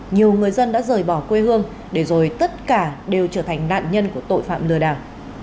nhiều người dân đã rời bỏ quê hương để rồi tất cả đều trở thành nạn nhân của tội phạm lừa đảo